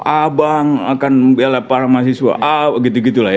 ah bang akan membela para mahasiswa ah gitu gitulah ya